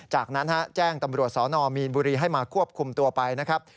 จากนั้นแจ้งตำรวจสนมีนบุรีให้มาควบคุมตัวไปนะครับ